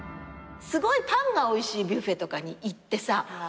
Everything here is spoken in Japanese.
すごいパンがおいしいビュッフェとかに行ってさ